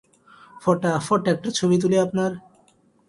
ফটাফট একটা ছবি তুলি আপনার?